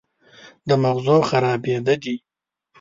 د مغزو خرابېده دي